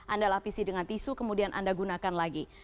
anda lapisi dengan tisu kemudian anda gunakan lagi